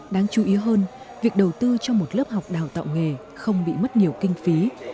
đáng chú ý hơn việc đầu tư cho một lớp học đào tạo nghề không bị mất nhiều kinh phí